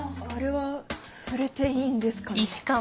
あれは触れていいんですかね？